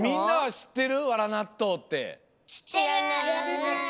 しってる！